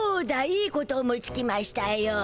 いいこと思いつきましゅたよ。